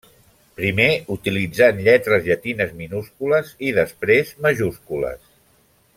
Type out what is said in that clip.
Primer utilitzant lletres llatines minúscules i després majúscules.